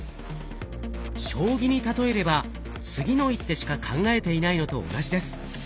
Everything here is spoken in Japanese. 将棋に例えれば次の一手しか考えていないのと同じです。